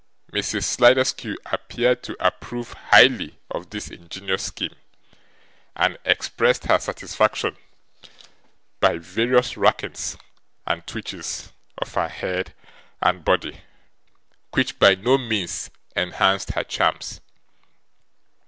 Mrs. Sliderskew appeared to approve highly of this ingenious scheme, and expressed her satisfaction by various rackings and twitchings of her head and body, which by no means enhanced her charms.